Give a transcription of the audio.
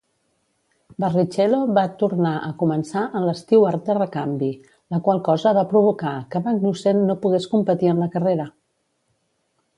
Barrichello va tornar a començar en l'Stewart de recanvi, la qual cosa va provocar que Magnussen no pogués competir en la carrera.